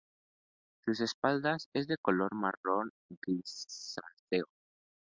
Su espalda es de color marrón grisáceo.